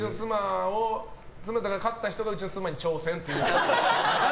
勝った人がうちの妻に挑戦という。